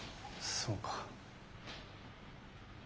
そうか。